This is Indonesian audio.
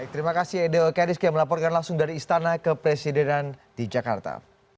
terima kasih edo keriski yang melaporkan langsung dari istana kepresidenan di jakarta